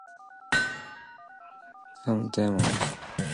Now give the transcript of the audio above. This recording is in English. Until one day a crazy old woman summons a demon.